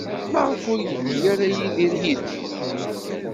Maɣef ur yeddi ara Yidir yid-k?